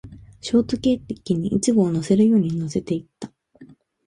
ショートケーキにイチゴを乗せるように乗せていった